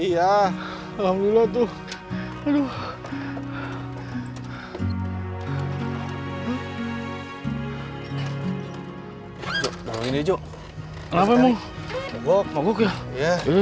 jangan lupa like share dan subscribe